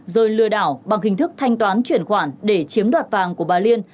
rồi lừa đảo bằng hình thức thanh toán chuyển khoản để chiếm đoạt vàng của bà liên